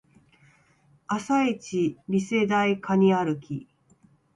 朝イチリセ台カニ歩き